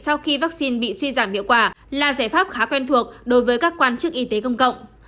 sau khi vaccine bị suy giảm hiệu quả là giải pháp khá quen thuộc đối với các quan chức y tế công cộng